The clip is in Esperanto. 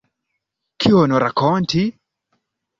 Kion rakonti?